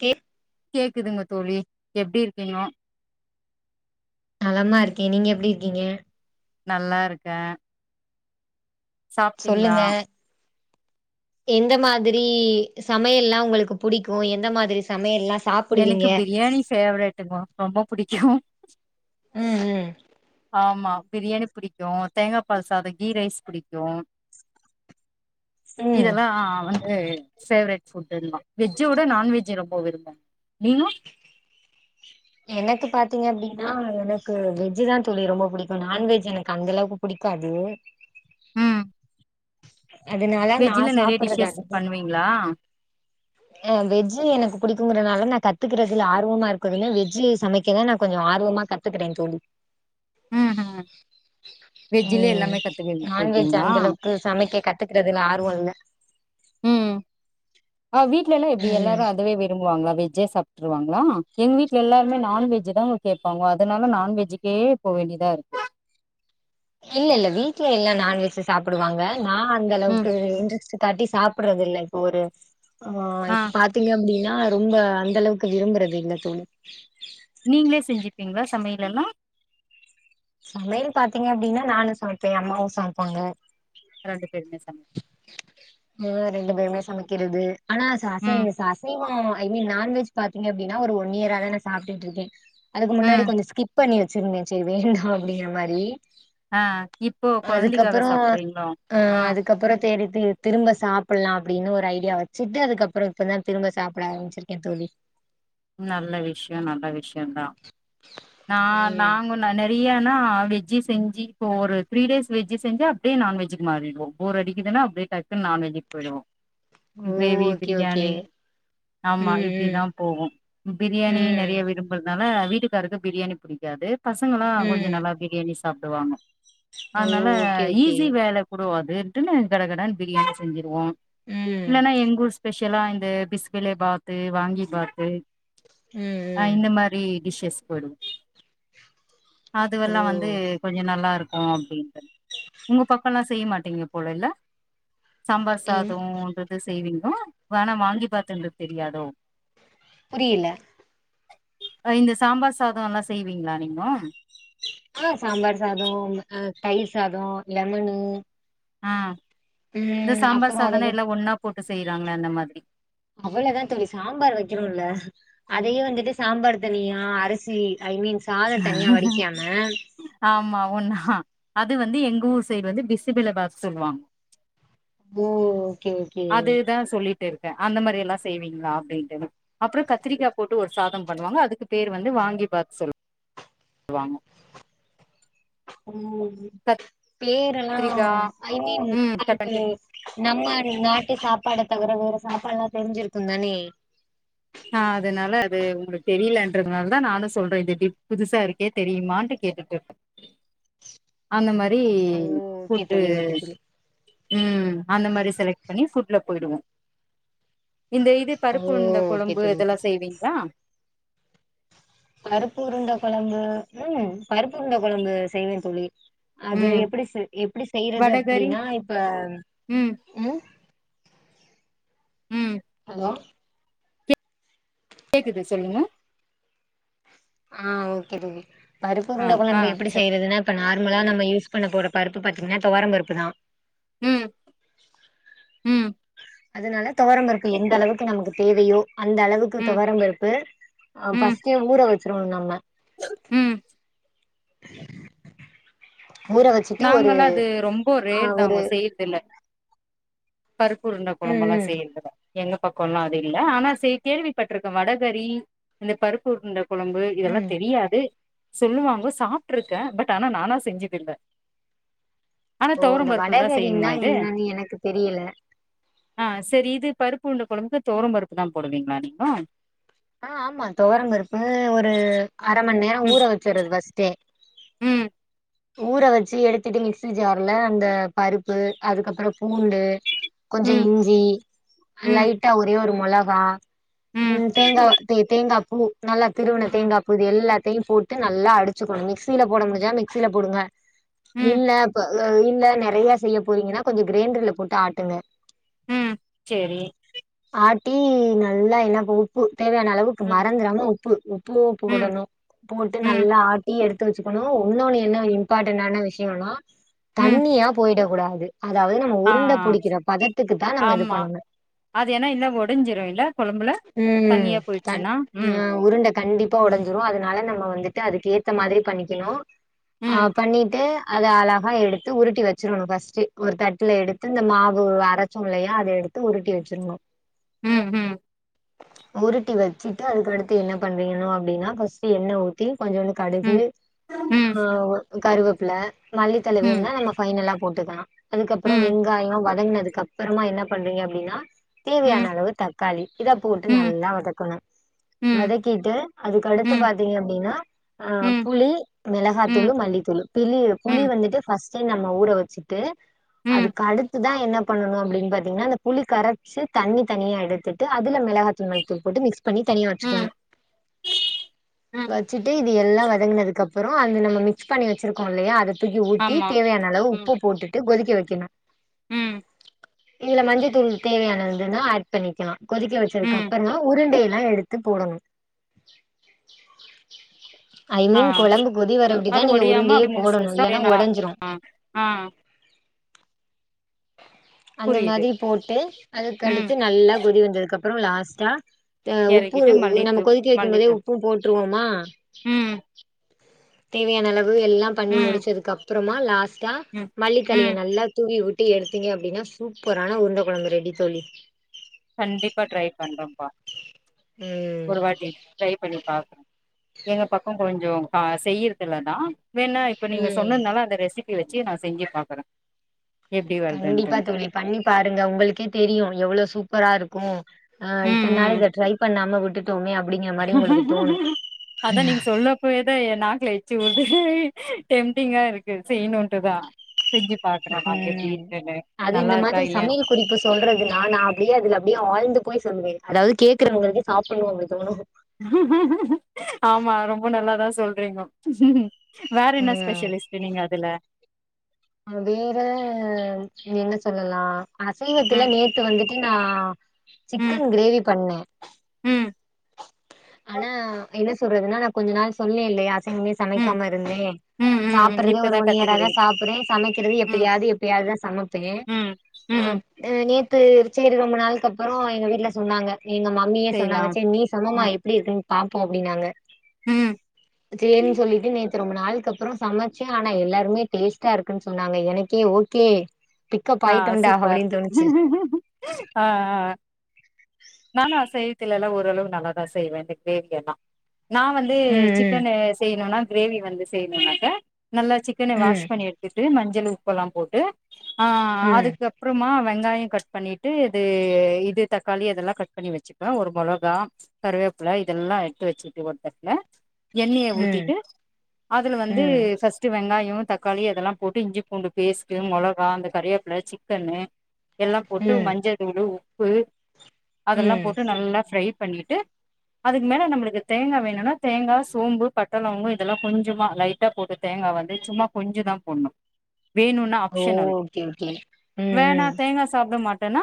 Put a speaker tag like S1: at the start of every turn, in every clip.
S1: K
S2: கேக்குதுங்க தோழி எப்டி இருக்கிங்கோ
S1: நலமா இருக்கே நீங்க எப்டி இருக்கீங்க
S2: நல்லா இருக்கே சாப்ட்டீங்களா
S1: சொல்லுங்க எந்த மாதிரீ சமையல்லா உங்களுக்கு புடிக்கூ எந்த மாதிரி சமையல்லா சாப்புடுவீங்க
S2: எனக்கு பிரியாணி ஃபேவரேட்டுமா ரொம்ப புடிக்கூ
S1: உம் ம்
S2: ஆமா பிரியாணி புடிக்கூ தேங்கா பால்சாதோ கீ ரைஸ் புடிக்கூ
S1: ம்
S2: இதெல்லா ஆ வந்து பேவரெட் புட்டுன்மா வெஜ்ஜவுட நான்வெஜ்ஜு ரொம்ப விருப்போ நீங்க
S1: எனக்கு பாத்திங்க அப்டின்னா எனக்கு வெஜ்ஜு தா தோழி ரொம்ப புடிக்கு நான்வெஜ் எனக்கு அந்தளவு புடிக்காதூ
S2: ம்
S1: அதனால நா
S2: வெஜ்ஜுல நெறைய
S1: சாப்புட்றது
S2: டிஷ்ஷஸ் பண்ணுவிங்ளா
S1: ஆ வெஜ்ஜு எனக்கு புடிக்குங்கறனால நா கத்துக்கிறதுல ஆர்வமா இருக்குதுனு வெஜ்ஜு சமைக்கதா நா கொஞ்சொ ஆர்வமா க த்துக்கிறே தோழி
S2: ம் ம் வெஜ்ஜிலே
S1: உம்
S2: எல்லாமே கத்துக்கிட்டு
S1: நான்வெஜ்
S2: இருக்கீங்களா
S1: அந்த அளவுக்கு சமைக்க கத்துக்றதுல ஆர்வோ இல்ல
S2: ம் ஆ வீட்லைலா எப்டி
S1: ம்
S2: எல்லாரு அதவே விரும்புவாங்ளா வெஜ்ஜே சாப் ட்ருவாங்களா எங்க வீட்ல எல்லாருமே நான்வெஜ்ஜு தா கேப்பாங்கொ அதனால நான்வெஜுக்கே போ வேண்டியதா இருக்
S1: இல்ல இல்ல வீட்ல எல்லா நான்வெஜ்ஜு சாப்புடுவாங்க நா அந்த
S2: ம்
S1: அளவுக்கு இன்ட்ரெஸ்டு தாட்டி சாப்புட்றதில்ல இப்ப ஒரு ஆ பாத் திங்க அப்டின்னா ரொம்ப அந்த அளவுக்கு விரும்புறது இல்ல தோழி
S2: நீங்ளே செஞ்சிப்பிங்ளா சமையலெல்லா
S1: சமையல் பாத்திங்க அப்டினா நானூ சமைப்பே ஏ அம்மாவூ சமைப்பாங்க
S2: ரெண்டு பேருமே சமை
S1: மொத ரெண்டு பேருமே சமைக்கிறது ஆனா ச அசை
S2: ம்
S1: ச அசைவோ ஐ மீன் நான்வெஜ் பாத்திங்க அப்டினா ஒரு ஒன் இயராதா நா சாப்டுட்ருக்கே அதுக்கு முன்னாடி
S2: ம்
S1: கொஞ்சொ ஸ்கிப் பண்ணி வச்சிருந்தே செரி வேண்டா அப்டிங்குற மாரீ
S2: ஆ இப்போ கொழந்தைக்காக சாப்புட்றீங்ளோ ஆ
S1: கப்பறொ தேடித்து திரும்ப சாப்புட்லா அப்டின்னு ஒரு ஐடியா வச்சிட்டு அதுக்கப்பறொ இப்பதா திரும்ப சாப்புட ஆரம்பிச்சிருக் கே தோழி
S2: நல்ல விஷ்யோ நல்ல விஷ்யொந்தா நா
S1: ம்
S2: நாங்க ந நெறையானா வெஜ்ஜி செஞ்சி இப்பொ ஒரு த்ரீ டேஸ் வெஜ்ஜி செஞ்சா அப்டியே நான்வெஜ்ஜுக் மாறிடுவோ போர் அடிக்குதுனா அப்டியே டக்குன் நான்வெஜ்ஜுக் பொயிடுவோ
S1: ஓ
S2: க்ரேவீ
S1: ஓகே ஓகே
S2: பிரியாணீ ஆமா இப்டிதா
S1: ம்
S2: போகூ
S1: ம்
S2: பிரியாணி நெறையா
S1: ம்
S2: விரும் புறத்னால வீட்டுக்காரர்க்கூ பிரியாணி புடிக்காது பசங்கலா கொஞ்சொ
S1: ம்
S2: நல்லா பிரியாணி சாப்டுவாங்க
S1: ஓ
S2: அதுனால
S1: ஓகே ஓகே
S2: ஈஸி வேல புரோ அதுன்டுனு கடகடான் பிரியாணி செஞ்சிருவோ
S1: ம்
S2: இல்லனா எங்க ஊர்ஸ் பெஷலா இந்த பிஸ்கெலேபாத்தூ வாங்கி பாத்தூ
S1: ம்
S2: அ
S1: ம்
S2: இந்த மார் ஹி ஸ்
S1: ஓ
S2: எஸ்பட்அதுவல்லா வந்து கொஞ்சம் நல்லா இருக்கும் அப்டின்டு ஒங்க பக்க ல்லா செய்ய மாட்டீங்க போல இல்ல சாம்பார்
S1: எங்
S2: சாதோ அது இது செய்வீங்களோ. வணா வாங்கி பாத்தன்டு தெரியாதோ.
S1: புரியல
S2: இந்த சாம்பார் சாதோ எல்லா செய்வீங்களா நீங்கோ
S1: ஆ சாம்பார் சாதோ தயிர் சாதோ லெமனு
S2: ஆ இந்த
S1: ம்
S2: சாம்பார்
S1: அப்புறோ அத
S2: சாதன்னு எல்லா ஒன்னா போட்டு செய்றாங்க அந்த மாதிரி
S1: அவ்வளதா தோழி சாம்பார் வெக்கறோல அதையே வந்துட்டு சாம்பார் தனியா அரிசி ஐ மீன் சாதொ தனியா வடிக்காம
S2: ஆமா ஒண்ணா அது வந்து எங்க ஊர் சைடு வந்து பிசுபிலபாத் சொல்லுவாங்க
S1: [inaudible] ஓகே ஓகே
S2: அதுதா சொல்லிட்டு இருக்கேன் அந்த மாரி எல்லாம் செய்வீங்களா அப்டினுட்டு அப்றொ கத்திரிக்கா போட்டு ஒரு சாதொம் பண்ணுவாங்க. அதுக்கு பேரு வந்து வாங்கி பாத் சொல் வாங்க
S1: ஊம் பேரெலா
S2: கத்திரிக்கா
S1: ஐ மீன்
S2: ம் கட்
S1: இதுக்கு
S2: பண்ட்டு
S1: நம்ம நாட்டு சாப்பாடை தவிர வேற சாப்பாடு எல்லாம் தெரிஞ்சிருக்கு தானே
S2: ஆ அதனால அது உங்க தெரியலன்றதுனால தா நானு சொல்றே இது எப்டி புதுசா இருக்கே தெரியுமானு கேட்டுட்டு இருக்கே
S1: [inaudible]
S2: அந்த மாரி
S1: ஓ ஓகே
S2: ஃபுட்டு
S1: தோழி ஓகே தோழி
S2: ம் அந்த மாரி செலக்ட் பண்ணி ஃபுட்ல போயிடுவோ. இந்த இது
S1: ஓ
S2: பருப்பு உரூண்ட
S1: ஓகே
S2: கொழம்பு
S1: தோழி ஓகே
S2: இதெல்லா
S1: தோழி
S2: செய்வீங்களா
S1: பருப்பு உருண்ட கொழம்பு உம் பருப்பு உருண்ட கொழம்பு செய்வே தோழி அது
S2: ம்
S1: எப்டி எப்டி செய்றது
S2: வடகறி
S1: அப்படின்னா இப்ப
S2: ம்
S1: உம்
S2: உம்
S1: ஹலோ
S2: கேக்குது சொல்லுங்க
S1: ஆ ஓகே தோழி.
S2: ஆ
S1: பருப்புருண்டா
S2: ஆ
S1: கொழம்பு எப்பிடி செய்றதுன்னு இப்போ நார்மலா நம்ம யூஸ்பண்ண போற பருப்பு பாத்தீங்கானா துவாரம் பருப்பு தான்
S2: ம் ம்
S1: அதுனால தொவரம்பருப்பு எந்த அளவுக்கு நமக்கு தேவையோ அந்த அளவுக்கு
S2: ம்
S1: தொவரம் பருப்பு ஆ
S2: ம்
S1: ஃபஸ்ட்டே ஊற வெச்சுருவோ நம்ம
S2: ம்
S1: ஊற வச்சுட்டு ஒரு
S2: நாங்கலா அது ரொம்ப
S1: ஆ
S2: ரேர்
S1: ஒரு
S2: தாங் செய்றதுல பருப்புருண்ட
S1: ம்
S2: கொழம்பெலா
S1: ம்
S2: செய்றதல்ல எங்க பக்கொலா அது இல்ல ஆனா செ கேள்விப்பட்ருக்க வடகறி இந்த பருப்புர்ண்ட கொழம்பு இதெல்லா
S1: ம்
S2: தெரியாது சொல்லுவாங்க சாப்ட்ருக்கே பட் ஆனா நானா கசெஞ்சதில்லத்த் ஆனா
S1: ஓ
S2: தொவரம்
S1: இந்த
S2: பருப்புல்ல தா செய்ணுமா
S1: வடகரின்னா
S2: இது
S1: என்னன்னு எனக்கு தெரியல
S2: ஆ செரி இது பருப்பு உண்ட கொழாம்புக்கு தொவரம் பருப்பு தான் போடுவீங்களா நீங்க
S1: ஆ ஆமா தொவரம் பருப்பு ஒரு அர மண் நேரொ ஊற
S2: ம்
S1: வச்சறது பஸ்ட்டே
S2: ம்
S1: ஊற வெச்சி எடுத்துட்டு மிக்சி ஜார்ல அந்த பருப்பு அதுக்கப்பறொ பூண்டு கொஞ்சொ
S2: ம்
S1: இஞ்சி
S2: ம்
S1: லைட்டா ஒரே ஒரு மொளகா
S2: ம்
S1: உம் தேங்கா தே தேங்கா பூ நல்லா திருவின
S2: ம்
S1: தேங்கா பூ இது எல்லாத்தையும் போட் ட்டு நல்லா அடிச்சுக்கணு மிக்சில போட முடிஞ்சா மிக்சியில போடுங்க
S2: ம்
S1: இல்ல ப இல்ல நெறையா செய்ய போறீங்கன்னா கொஞ்சொ கிரைண்டர்ல போட்டு ஆட்டுங்க.
S2: ம் செரி
S1: ஆட்டி நல்லா என்னப்ப உப்பு தேவையான அளவுக்
S2: ம்
S1: மறந்துராம உப்பு உப்பு
S2: ம்
S1: போடணு போட்டு
S2: ம்
S1: நல்லா ஆட்டி எடுத்து வெச்சுக்கணு ஒன்னொனு என்ன
S2: ம்
S1: இம்பாட்டன்ட்டானா விஷயொம்னா
S2: ம்
S1: தண்ணியா போயிட கூடாது அதாவது நம்ம
S2: ஆ
S1: உருண்ட பிடிக்கிற பதத்துக்கு தான் நம்ம இது
S2: ஆமா
S1: பண்ணணு
S2: அது ஏன்னா இன்ன ஒடிஞ்சிரு இல்ல கொழம்புல தண்ணியா
S1: ம்
S2: போயிடுச்சுன்னா ம்
S1: உருண்ட கண்டி ப்ப உடைஞ்சிரு அதனால நம்ம வந்துட்டு அதுக்கு ஏத்த மாதிரி பண்ணிக்கணும் ஆ
S2: ம்
S1: பண்ணிட்டு அத அழகா எடுத்து உருட்டி வெச்சிரணும் ஃபஸ்ட்டு ஒரு தட்டுல எடுத்து இந்த மாவு அரைச்சோம் இல்லையா அத எடு த்து உருட்டி வெச்சிர்ணும்
S2: ம் ம்
S1: உருட்டி வெச்சுட்டு அதுக்கடுத்து என்ன பண்றீங்கணும் அப்டின்னா ஃபஸ்ட் எண்ண ஊத்தி கொஞ்சோண்டு கடுகு
S2: ம் ம்
S1: ஆ கருவேப்புல மல்லித்தழ
S2: ம்
S1: வேணும்னா நம்ம பைனலா போட்டுக்கலாம் அதுக்கப்பறம்
S2: ம்
S1: வெங்காயம் வதங்கினதுக்கு அப்பறமா என்ன பண்றீங்க அப்டின்னா தேவையான
S2: ம்
S1: அளவு த க்காளி இதா போட்டு
S2: ம்
S1: நல்லா வதக்கணும்
S2: ம்
S1: வதக்கிட்டு அதுக்கடுத்து
S2: ம்
S1: பாத்தீங்க அப்டின்னா ஆ
S2: ம்
S1: புளி
S2: ம்
S1: மெளகாத்தூளு மல்லித்தூளு பிளி புளி
S2: ம்
S1: வந்துட்டு ஃபஸ்ட் நம்ம ஊர வெச்சுட்டு
S2: ம்
S1: அதுக்கு அடுத்து தான் என்ன பண்ணனும் அப்டின்னு பாத்தீங்கன்னா அந்த புளி கரச்சு தண்ணி தனியா எடு த்துட்டு அதுல மிளகாத்தூள் மல்லி தூள் போட்டு மிக்ஸ் பண்ணி தனியா
S2: ம்
S1: வச்சுக்கணும்
S2: ம்
S1: வச்சுட்டு இது எல்லாம் வதங்கினதுக்கு அப்புறம் அது நம்ம மிக்ஸ் பண்ணி வெச்சிருக்கோம் இல்லையா அத தூக்கி ஊத்தி
S2: ஆமா
S1: தேவையான அளவு
S2: ம்
S1: உப்பு போட்டுட்டு கொதிக்க வக்கணும்
S2: ம்
S1: இதுல மஞ்சத்தூள் தேவையானதுன்னா ஆட் பண்ணிக்கலாம் கொதிக்க வெச்சதுக்கு
S2: ம்
S1: அப்பறமா உருண்டைய எல்லாம் எடுத்து போடணும் ஐ
S2: ஆ
S1: மீன் குழம்பு கொதி
S2: அது
S1: வரப்படிதான் நீங்க
S2: ஒடியாம
S1: உருண்டயே
S2: அப்டி முழுசு
S1: போடணும்
S2: முழுசா
S1: இல்லன்னா
S2: அப்டியே நல்லா
S1: உடஞ்சிரும்
S2: ஆ ஆ
S1: அந்த
S2: புரியுது
S1: மாதிரி போட்டு அதுக்கு
S2: ம்
S1: அடுத்து நல்லா கொதி வந்ததுக்கு அப்பறோ லாஸ்ட்டா உப்பு
S2: எறக்கிட்டு
S1: நம்ம
S2: மல்லித்தூள்
S1: கொதிக்கி வைக்கும் போதே
S2: மல்லித்தூள்
S1: உப்பும் போட்டுருவோமா
S2: ம்
S1: தேவையான அளவு எல்லாம் பண்ணி
S2: ம்
S1: முடிச்சதுக்கு அப்புறமா லாஸ்ட்டா
S2: ம்
S1: மல்லி தலையை
S2: ம்
S1: நல்லா தூவி ட்டு எடுத்தீங்க அப்டின்னா சூப்பரான உருண்டை கொழம்பு ரெடி தோழி
S2: கண்டிப்பா ட்ரை பண்றேன்பா
S1: ம்
S2: ஒரு வாட்டி ட்ரை பண்ணி பாக்குறேன் எங்க பக்கம் கொஞ்சம் கா செய்யறது இல்ல தான் வென்னா இப்போ நீங்க
S1: ம்
S2: சொன்னதுனால அந்த ரெசிபி வெச்சு நான் செஞ்சு பாக்குறேன்
S1: கண்டிப்பா தோழி பண்ணி பாருங்க உங்களுக்கே தெரியும் எவ்ளோ சூப்பரா இருக்கும்
S2: ம்
S1: இத்தன நாள்
S2: ம்
S1: இதை ட்ரை பண்ணாம விட்டுட்டோமே அப்டிங்கிற மாரி உங்களுக்கு தோணும்
S2: இப்ப ஏதா என் நாக்குல எச்சி ஊறுது டெம்ப்டிங்க இருக்கு செய்யணும்ன்றதான் செஞ்சு பாக்குறோமா எப்டி
S1: ம்
S2: இருபேனு நல்லா இருக்கா இல்லையா
S1: இப்ப சொல்றது நானா அப்டியே அதுல அப்டியே ஆழ்ந்து போய் சொல்லுவேன் அதாவது கேட்கிறவங்களுக்கு சாப்படணும் அப்டி தோணும்
S2: ஆமா ரொம்ப நல்லாதான் சொல்றீங்க வேற என்ன
S1: ம்
S2: ஸ்பெஷலிஸ்ட் நீங்க அதுல
S1: வேற என்ன சொல்லலாம் அசைவத்துல
S2: ம்
S1: நேத்து வந்து ட்டு நான்
S2: ம்
S1: சிக்கன் கிரேவி பண்ணேன்
S2: ம்
S1: ஆனா என்ன சொல்றதுன்னா நான் கொஞ்ச நாள் சொன்னேன் இல்லயா அசைவமே
S2: ம்
S1: சமைக்காம இருந்தேன்
S2: ம் ம் ம்
S1: சாப்பிடறது ஒரு
S2: இப்பதா
S1: ஒன் இயரா
S2: கத்துக்கிறீங்க
S1: தான் சாப்பிடேன் சமைக்கிறது
S2: ம்
S1: எப்யாது எப்யாதுதான் சமப்பேன் [unintelligible]
S2: ம் ம்
S1: அ நேத்து சேரி ரொம்ப நாள்க்கு அப்பறோ எங்க வீட்டு்ல சொன்னாங்க எங்க மம்மியே சொன்னாங்க
S2: செய்லாம்
S1: சேர் நீ சமமா
S2: ம்
S1: எப்படி இருக்குன்னு பாப்போ அப்படின்னாங்க
S2: ம்
S1: சேரி சொல்லீட்டு நேத் து ரொம்ப நாள்க்கு அப்பறோ சமச்சு அனா எல்லாருமே டேஸ்ட்டா இருக்குன்னு சொன்னாங்க எனக்கே ஓகே பிக்கப் ஆயிட்டோண்டா அப்படின்னு தோணுச்சு
S2: அ அ அ நாங்க அசைவத்துல்லா ஓரளவு நல்லாதா செய்வே இந்த கிரேவி எல்லா நா வ ந்து
S1: ம்
S2: சிக்கனு செய்ணுன்னா கிரேவி வந்து செயினுக்கறப்ப நல்லா சிக்கன்னு
S1: ம்
S2: வாஷ் பண்ணீ எடு த்துட்டு மஞ்சள் உப்பல்லா போட்டு ஆ
S1: ம் ம்
S2: அதுக்கு அப் அப்பறமா வெங்காயோ கட் பண்ணீட்டு இது இது தக்காளி அதெல்லா கட் பண்ணி வெச்சிக்கனு ஒரு மொளகா கருவேப்புல இதெல்லா எடுத்து வெச்சுருக்கு ஒரு தட்டுல எண்ணெய்ய
S1: ம்
S2: ஊத்திட்டு அதுல வந்து
S1: ம்
S2: ஃபஸ் ட்டு வெங்காயோ தக்காளி அதெல்லா போட்டு இஞ்சி பூண்டு பேஸ்ட்டு மொளகா அந்த கருவேப்புல்ல சிக்கனு எல்லா போட்டு
S1: ம்
S2: மஞ்ச தூளு உப்பு அதெல்லா
S1: ம்
S2: போட்டு நல்லா ஃப்ரை பண்ணீட்டு அதுக்கு மேல நம்மளுக்கு தேங்கா வேணுன்னா தேங்கா சோம்பு பட்ட லவங்கோ இதெல்லா கொஞ்சமா லைட் ட்டா போட்டு தேங்கா வந்து சும்மா கொஞ்சோ தா போடனு வேணுன்னு
S1: ஓ ஓகே ஓகே ம்
S2: வேணா
S1: ம்
S2: தேங்கா சாப்புட மாட்டன்னா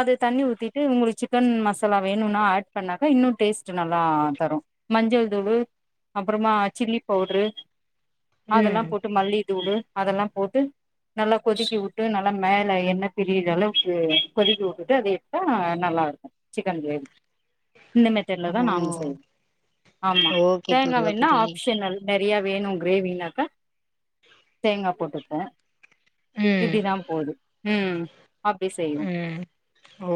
S2: அது தண்ணி ஊத்திட்டு உங்களுக்கு சிக்கன் மசாலா வேணுன்னா ஆட் பண்ணாக்கா இன்னு டேஸ்ட் நல்லா தரு மஞ்சள் தூளு அப்பறமா சில்லி பவுட்ரு அதல்லா
S1: ம்
S2: போட்டு மல்லி தூளு அதல்லா போட்டு நல்லா கொதிக்க உட் டு நல்லா மேல எண்ண பிரிற அளவுக்கு கொதிக்க உட்டுட்டு அத எடுத்தா நல்லா இருக்கு சிக்கன் கிரேவி இந்த மெத்தடுல தா நாங்க செய்வோ ஆமா
S1: ஓ ஓகே
S2: தேங்கா
S1: தோழி ஓகே
S2: வேண்ணா
S1: தோழி
S2: ஆப்ஷனல் நறையா வேணு கிரேவினாக்கா தேங்கா போட்டுக்கு
S1: ம்
S2: இப்படி தா போது ம் அப்டி செய்வோ
S1: ம்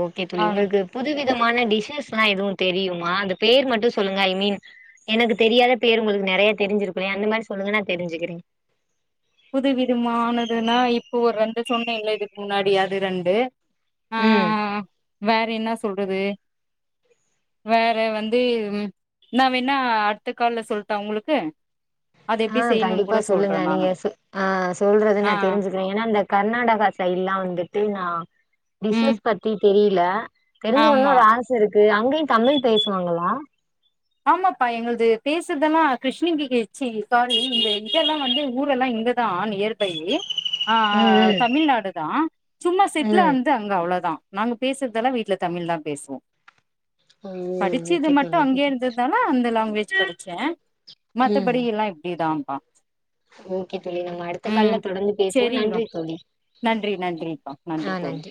S1: ஓகே தோழி
S2: ஆ
S1: உங்களுக்கு புது விதமான டிஷஸ்லா எதுவு தெரியுமா அந்த பேர் மட்டு சொல்லுங்க ஐ மீன் எனக்கு தெரியாத பேர் உங்களுக்கு நெறைய தெரிஞ்சிருக்கு இல்லயா அந்த மாரி சொல்லுங்க நா தெரிஞ்சுக்கிறே
S2: புது விடுமானதுன்னா இப்போ ஒரு ரெண்டு சொன்ன இல்ல இதுக்கு முன்னாடி அது ரெண்டு அ அ
S1: ம்
S2: அ வேற என்ன சொல்றது வேற வந்து நா வேண்ண அடுத்த கால்ல சொல்ட்டா உங்களுக்கு அது
S1: அ
S2: எப்டி செய்யணுன்
S1: கண்டிப்பா
S2: கூட
S1: சொல்லுங்க
S2: சொல்றே
S1: நீங்க
S2: நானு
S1: ஆ சொல்றது நா
S2: ஆ
S1: தெரிஞ்சுக்கிறேன் ஏன்னா அந்த கர்நாடகா சைடுலலா வந்துட்டு நா
S2: ம்
S1: டிஷேஸ் பத்தி தெரியல தெரிஞ்சக்கணுன்
S2: ஆமா
S1: ஒரு ஆச இருக்கு அங்கயு தமிழ் பேசுவாங்களா
S2: ஆமாப்பா எங்கள்து பேசுறதெல்லா கிருஷ்ணங்க க ச்சி சாரி இங்க இதல்லா வந்து ஊரல்லா எங்க தா நியர் பை அ அ அ
S1: ம் ம்
S2: தமிழ்நாடு தா சும்மா செட்ல
S1: ம்
S2: வந்து அங்க அவ்வளவுதா நாங்க பேசுறதெல்லா வீட்டுல தமிழ் தா பேசுவோ
S1: ஓ
S2: படிச்சது
S1: ஓகே
S2: மட்டு
S1: தோழி ஓகே
S2: அங்கேயே
S1: தோழி
S2: இருந்தது அனா அந்த லாங்குவேஜ் படிச்ச
S1: ம்
S2: மத்தபடி எல்லா இப்டிதான்பா
S1: ஓகே தோழி நம்ம அடுத்த கால்ல தொடர்ந்து பேசுவோ
S2: செரிங்க
S1: நன்றி தோழி
S2: நன்றி நன்றிப்பா நன்றி தோழி